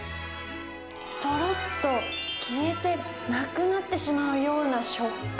とろっと消えてなくなってしまうような食感。